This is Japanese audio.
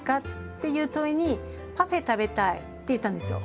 っていう問いに「パフェ食べたい」って言ったんですよ。